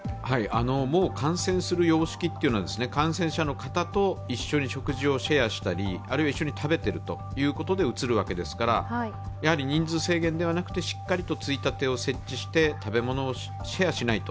もう感染する様式というのは、感染者の方と一緒に食事をシェアしたりあるいは食べてるということでうつるわけですから、やはり人数制限ではなくてしっかりと衝立を設置して、食べ物をシェアしないと。